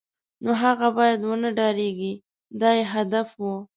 نو هغه باید و نه دردېږي دا یې هدف و.